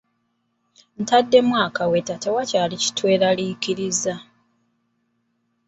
Ntaddemu akaweta tewakyali kitweraliikiriza.